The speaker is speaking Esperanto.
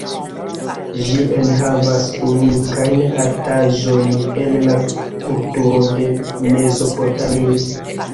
Ĝi enhavas unikajn artaĵojn el la kulturo de Mezopotamio.